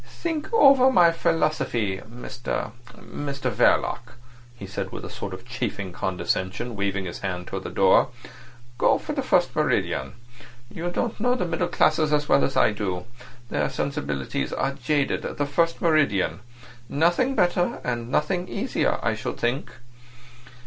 "Think over my philosophy, Mr—Mr—Verloc," he said, with a sort of chaffing condescension, waving his hand towards the door. "Go for the first meridian. You don't know the middle classes as well as I do. Their sensibilities are jaded. The first meridian. Nothing better, and nothing easier, I should think."